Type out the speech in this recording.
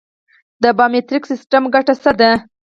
د بایومتریک سیستم ګټه څه ده؟